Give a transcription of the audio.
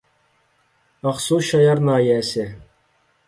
ئاقسۇ شايار ناھىيەسى